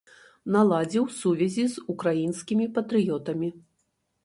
Наладзіў сувязі з украінскімі патрыётамі.